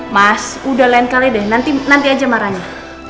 mas udah lain kali deh nanti aja marahnya